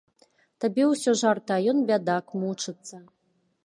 Табе ўсё жарты, а ён, бядак, мучыцца.